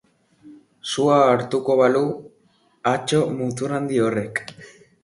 Sua hartuko balu, atso mutur-handi horrek!